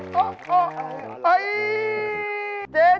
ไม่เอากินแล้วไม่เวิร์คไม่ดีเลย